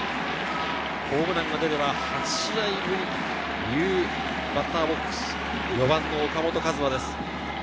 ホームランが出れば８試合ぶりというバッターボックス、４番の岡本和真です。